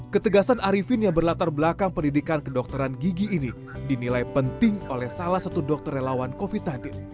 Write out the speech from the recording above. ketegasan arifin yang berlatar belakang pendidikan kedokteran gigi ini dinilai penting oleh salah satu dokter relawan covid sembilan belas